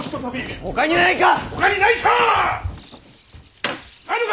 ほかにないか！